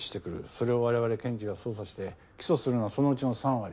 それを我々検事が捜査して起訴するのはそのうちの３割。